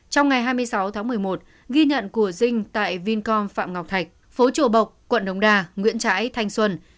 trong ngày hai mươi sáu tháng một mươi một ghi nhận của dinh tại vincom phạm ngọc thạch phố chùa bộc quận đống đà nguyễn trãi thanh xuân